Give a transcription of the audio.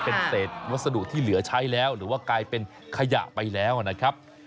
เป็นเศษวัสดุที่เหลือใช้แล้วหรือว่ากลายเป็นขยะไปแล้วนะครับ